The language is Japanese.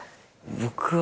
僕は。